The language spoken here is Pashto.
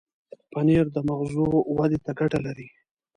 پنېر د مغزو ودې ته ګټه لري.